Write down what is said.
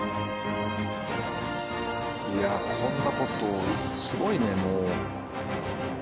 いやこんな事すごいねもう。